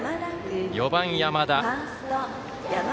４番、山田。